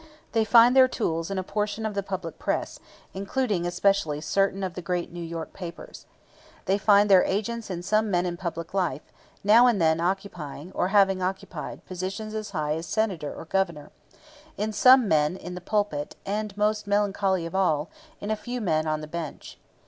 They find their tools in a portion of the public press, including especially certain of the great New York newspapers. They find their agents in some men in public life, now and then occupying, or having occupied, positions as high as Senator or Governor, in some men in the pulpit, and most melancholy of all, in a few men on the bench.